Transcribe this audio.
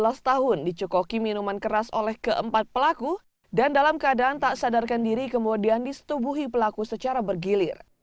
dua belas tahun dicekoki minuman keras oleh keempat pelaku dan dalam keadaan tak sadarkan diri kemudian disetubuhi pelaku secara bergilir